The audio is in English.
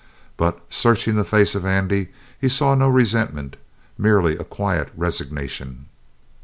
But searching the face of Andy, he saw no resentment. Merely a quiet resignation.